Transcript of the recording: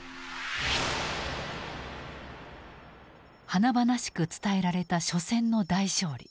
華々しく伝えられた緒戦の大勝利。